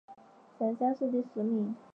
陕西乡试第十名。